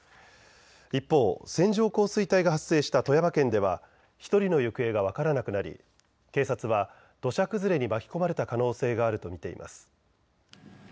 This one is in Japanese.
一方、線状降水帯が発生した富山県では１人の行方が分からなくなり警察は土砂崩れに巻き込まれた可能性があると見ています。